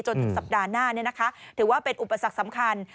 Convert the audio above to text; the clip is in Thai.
ถึงสัปดาห์หน้าถือว่าเป็นอุปสรรคสำคัญ